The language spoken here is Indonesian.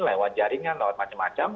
lewat jaringan lewat macam macam